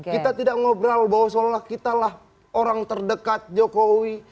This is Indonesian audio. kita tidak ngobrol bahwa seolah olah kitalah orang terdekat jokowi